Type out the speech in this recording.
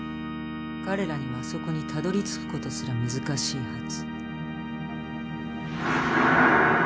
彼らにはあそこにたどりつくことすら難しいはず。